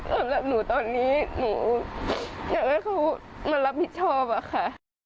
สำหรับหนูตอนนี้หนูอยากให้เขามารับผิดชอบอะค่ะ